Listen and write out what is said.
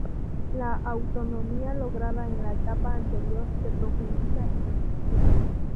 La autonomía lograda en la etapa anterior se profundiza y perfecciona.